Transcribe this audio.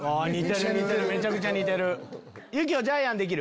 めちゃくちゃ似てる！